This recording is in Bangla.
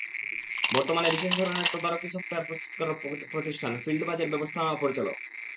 বর্তমানে তিনি বিশেষ ধরনের তদারকি সফটওয়্যার প্রস্তুতকারক প্রতিষ্ঠান ফিল্ডবাজের ব্যবস্থাপনা পরিচালক।